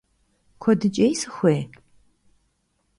Kuedıç'êy sıxuêy?